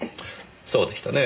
そうでしたねぇ。